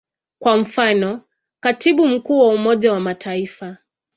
Kwa mfano, Katibu Mkuu wa Umoja wa Mataifa.